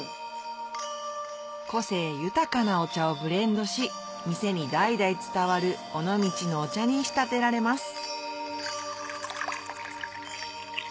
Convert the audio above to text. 個性豊かなお茶をブレンドし店に代々伝わる尾道のお茶に仕立てられます